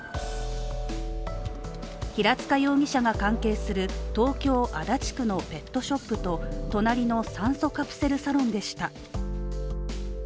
平塚容疑者が関係する東京・足立区のペットショップと隣の酸素カプセルサロンでした。